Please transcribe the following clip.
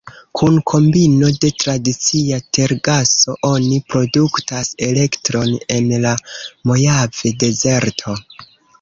Kun kombino de tradicia tergaso, oni produktas elektron en la Mojave-dezerto.